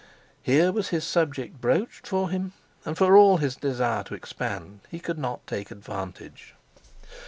Here was his subject broached for him, and for all his desire to expand, he could not take advantage.